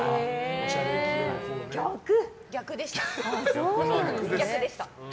逆でしたね。